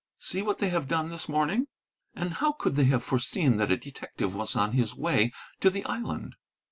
See what they have done this morning! And how could they have foreseen that a detective was on his way to the island?"